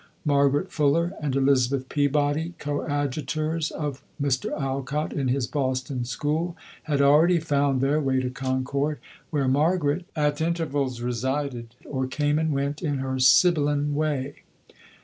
Margaret Fuller and Elizabeth Peabody, coadjutors of Mr. Alcott in his Boston school, had already found their way to Concord, where Margaret at intervals resided, or came and went in her sibylline way.